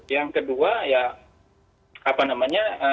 yang kedua ya apa namanya